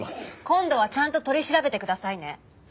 今度はちゃんと取り調べてくださいね。